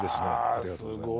ありがとうございます。